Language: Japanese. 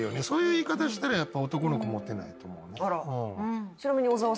そういう言い方したらやっぱ男の子モテないと思うね